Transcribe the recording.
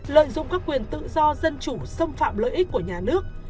lợi dụng các quyền tự do dân chủ xâm phạm lợi ích của nhà nước